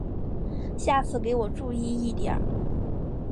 下次给我注意一点！